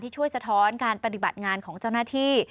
ช่วยสะท้อนการปฏิบัติงานของเจ้าหน้าที่